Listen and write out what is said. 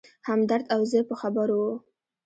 همدرد او زه په خبرو و.